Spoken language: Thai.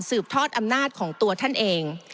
ทอดอำนาจของตัวท่านเอง